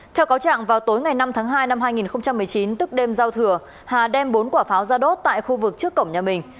theo cáo trạng vào tối ngày năm tháng hai năm hai nghìn một mươi chín tức đêm giao thừa hà đem bốn quả pháo ra đốt tại khu vực trước cổng nhà mình